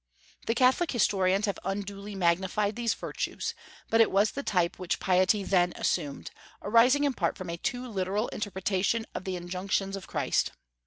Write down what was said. The Catholic historians have unduly magnified these virtues; but it was the type which piety then assumed, arising in part from a too literal interpretation of the injunctions of Christ.